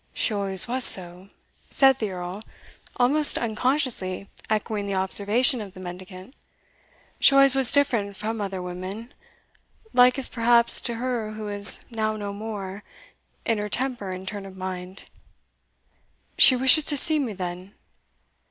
"She always was so," said the Earl, almost unconsciously echoing the observation of the mendicant; "she always was different from other women likest perhaps to her who is now no more, in her temper and turn of mind. She wishes to see me, then?"